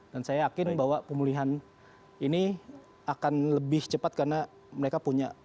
dan saya yakin bahwa pemulihan ini akan lebih cepat karena mereka punya